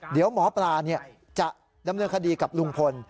เดี๋ยวหมอปลาจะดำเนินคดีกับลุงพล